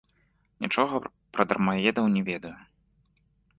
Нічога пра дармаедаў не ведаю.